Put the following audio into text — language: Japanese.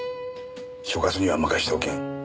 所轄には任せておけん。